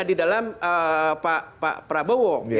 di dalam pak prabowo